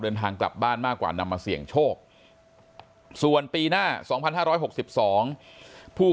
เดินทางกลับบ้านมากกว่านำมาเสี่ยงโชคส่วนปีหน้า๒๕๖๒ผู้